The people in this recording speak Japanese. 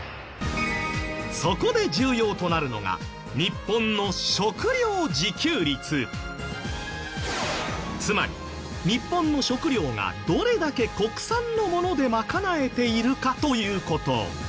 そこで重要となるのが日本のつまり日本の食料がどれだけ国産のもので賄えているかという事。